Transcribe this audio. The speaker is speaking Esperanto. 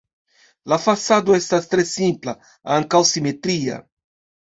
La fasado estas tre simpla, ankaŭ simetria.